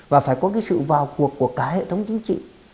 và phải có cái sự vào cuộc của cả hệ thống chính trị